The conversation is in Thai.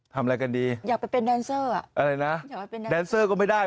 ทำอะไรกันดีอยากไปเป็นแดนเซอร์อ่ะอะไรนะอยากไปเป็นแดนเซอร์ก็ไม่ได้